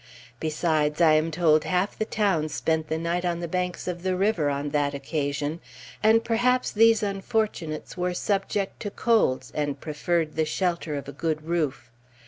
Besides, I am told half the town spent the night on the banks of the river, on that occasion; and perhaps these unfortunates were subject to colds, and preferred the shelter of a good roof.